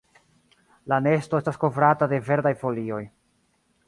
La nesto estas kovrata de verdaj folioj.